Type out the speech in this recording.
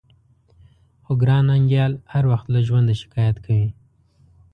خو ګران ننګيال هر وخت له ژونده شکايت کوي.